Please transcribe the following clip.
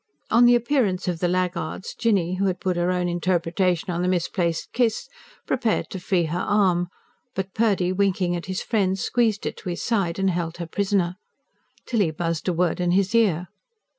On the appearance of the laggards, Jinny, who had put her own interpretation on the misplaced kiss, prepared to free her arm; but Purdy, winking at his friend, squeezed it to his side and held her prisoner. Tilly buzzed a word in his ear.